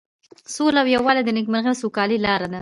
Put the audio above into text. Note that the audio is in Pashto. سوله او یووالی د نیکمرغۍ او سوکالۍ لاره ده.